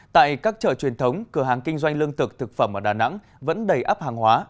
tại các chợ truyền thống cửa hàng kinh doanh lương thực thực phẩm ở đà nẵng vẫn đầy ấp hàng hóa